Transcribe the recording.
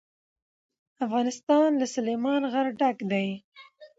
افغانستان له سلیمان غر ډک دی.